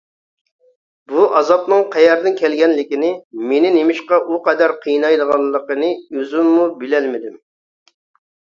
بۇ ئازابنىڭ قەيەردىن كەلگەنلىكىنى، مېنى نېمىشقا ئۇ قەدەر قىينايدىغانلىقىنى ئۆزۈممۇ بىلەلمىدىم.